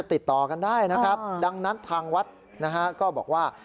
ติดต่อกันได้นะครับดังนั้นทางวัดนะฮะก็บอกว่า